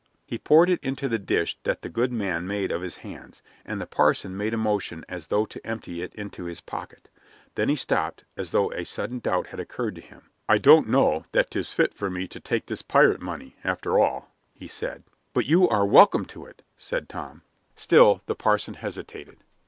He poured it into the dish that the good man made of his hands, and the parson made a motion as though to empty it into his pocket. Then he stopped, as though a sudden doubt had occurred to him. "I don't know that 'tis fit for me to take this pirate money, after all," he said. "But you are welcome to it," said Tom. Still the parson hesitated.